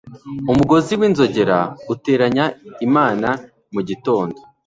Umugozi w inzogera uteranya Imana mugitondo